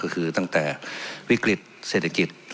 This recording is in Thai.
ก็คือตั้งแต่วิกฤตเศรษฐกิจ